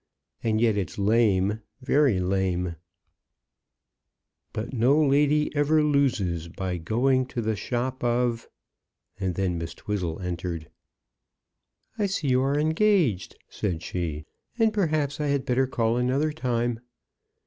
"And yet it's lame, very lame: But no lady ever loses By going to the shop of " And then Miss Twizzle entered. "I see you are engaged," said she, "and, perhaps, I had better call another time."